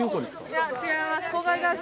いや違います